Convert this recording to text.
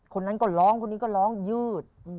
คนนั้นก็ร้องคนนี้ก็ร้องยืด